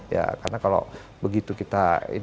ya karena kalau begitu kita